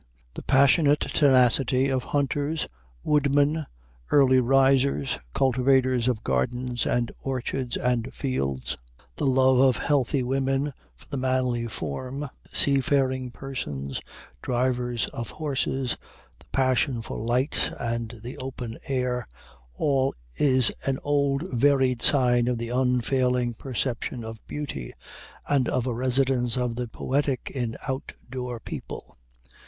The passionate tenacity of hunters, woodmen, early risers, cultivators of gardens and orchards and fields, the love of healthy women for the manly form, seafaring persons, drivers of horses, the passion for light and the open air, all is an old varied sign of the unfailing perception of beauty, and of a residence of the poetic in out door people.